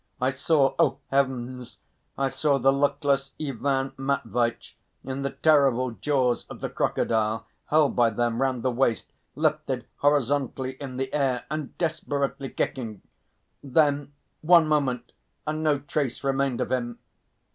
I saw oh, heavens! I saw the luckless Ivan Matveitch in the terrible jaws of the crocodile, held by them round the waist, lifted horizontally in the air and desperately kicking. Then one moment, and no trace remained of him.